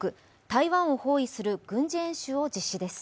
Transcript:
台湾を包囲する軍事演習を実施です。